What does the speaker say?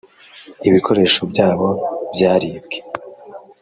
ibikoresho byabo byaribwe.